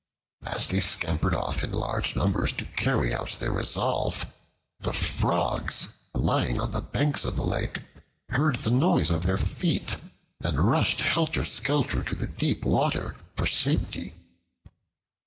As they scampered off in large numbers to carry out their resolve, the Frogs lying on the banks of the lake heard the noise of their feet and rushed helter skelter to the deep water for safety.